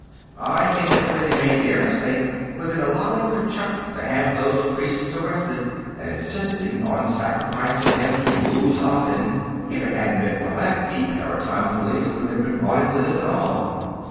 I think that where they made their mistake was in allowing Kurchuk to have those priests arrested, and insisting on sacrificing them to Muz Azin. If it hadn't been for that, the Paratime Police wouldn't have been brought into this, at all.